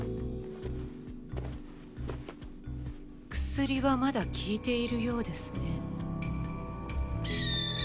薬はまだ効いているようですね。